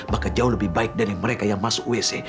bahkan jauh lebih baik dari mereka yang masuk wc